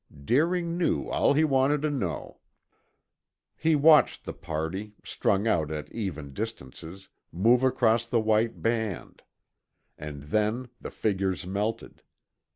Deering knew all he wanted to know. He watched the party, strung out at even distances, move across the white band; and then the figures melted.